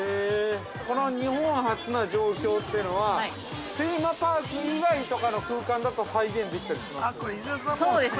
◆日本初な状況というのはテーマパーク以外とかの空間だと再現できたりします？